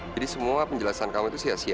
jadi semua penjelasan kamu itu sia sia